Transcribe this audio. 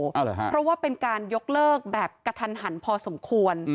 เพราะว่าเป็นการยกเลิกแบบกระทันหันพอสมควร